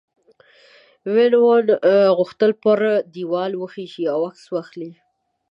وین وون غوښتل پر دیوال وخیژي او عکس واخلي.